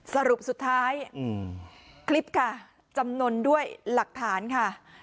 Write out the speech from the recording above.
สรุปสุดท้ายคลิปค่ะจำนวนด้วยหลักฐานค่ะ